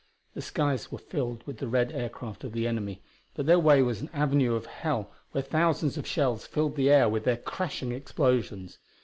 The skies were filled with the red aircraft of the enemy, but their way was an avenue of hell where thousands of shells filled the air with their crashing explosions.